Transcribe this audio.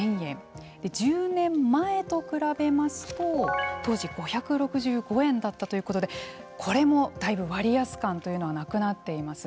１０年前と比べますと当時６６５円だったということでこれも、だいぶ割安感というのはなくなっています。